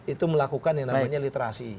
itu melakukan yang namanya literasi